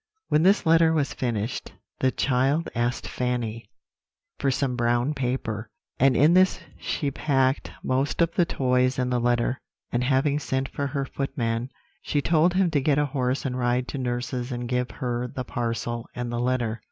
When this letter was finished, the child asked Fanny for some brown paper, and in this she packed most of the toys and the letter, and having sent for her footman, she told him to get a horse and ride to nurse's and give her the parcel and the letter.